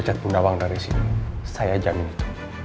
maksudnya pak raymond